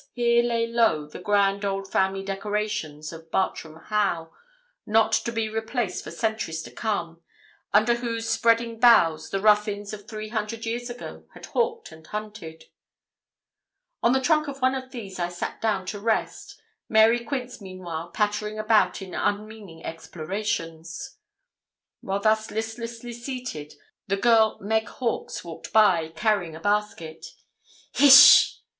here lay low the grand old family decorations of Bartram Haugh, not to be replaced for centuries to come, under whose spreading boughs the Ruthyns of three hundred years ago had hawked and hunted! On the trunk of one of these I sat down to rest, Mary Quince meanwhile pattering about in unmeaning explorations. While thus listlessly seated, the girl Meg Hawkes, walked by, carrying a basket. 'Hish!'